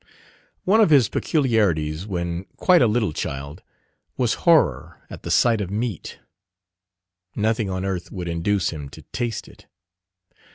One of his peculiarities, when quite a little child, was horror at the sight of meat. Nothing on earth would induce him to taste it.